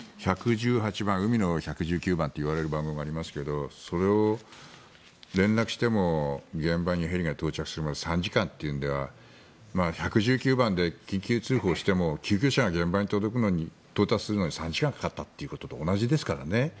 １１８番、海の１１９番といわれる番号がありますがそれを連絡しても現場にヘリが到着するまで３時間というのでは１１９番で緊急通報しても救急車が現場に到達するのに３時間かかったというのと同じですからね。